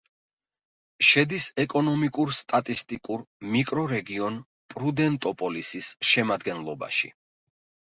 შედის ეკონომიკურ-სტატისტიკურ მიკრორეგიონ პრუდენტოპოლისის შემადგენლობაში.